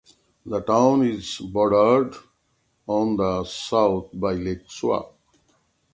The town is bordered on the south by Lake Suwa.